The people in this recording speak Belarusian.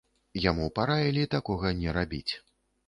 Яму параілі такога не рабіць.